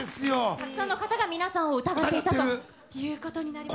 たくさんの方が皆さんを疑っていたということになりました。